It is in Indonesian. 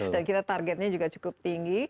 dan kita targetnya juga cukup tinggi